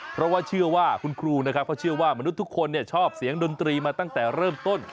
เพราะว่าเชื่อว่าคุณครูนะครับเขาเชื่อว่ามนุษย์ทุกคนชอบเสียงดนตรีมาตั้งแต่เริ่มต้น